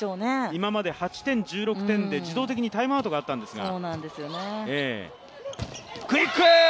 今まで８点、１６点で自動的にタイムアウトがあったんですが。